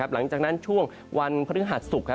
หลังจากนั้นช่วงวันพฤหัสศุกร์